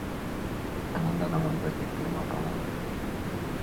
Anaenda na mwenzake kulima pamoja